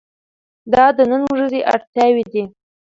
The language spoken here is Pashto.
دا د نن ورځې اړتیاوې دي.